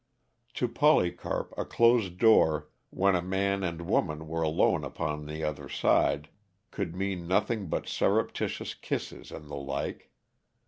To Polycarp, a closed door when a man and woman were alone upon the other side could mean nothing but surreptitious kisses and the like.